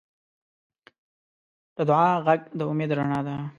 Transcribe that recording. د دعا غږ د امید رڼا ده.